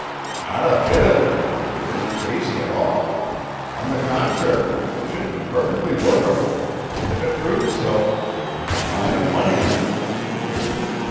"Not a bit of it. It isn't crazy at all. On the contrary, it should be perfectly workable, and if it proved so, there would be a mine of money in it."